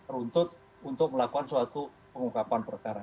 runtut untuk melakukan suatu pengungkapan perkara